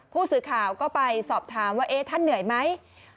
ผู้สื่อข่าวก็ไปสอบถามว่าท่านเหนื่อยไหม